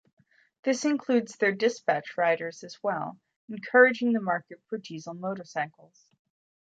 This includes their dispatch riders as well, encouraging the market for diesel motorcycles.